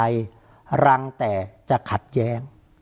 รังแต่จะขัดแย้ง